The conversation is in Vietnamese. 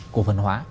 cổ phần hóa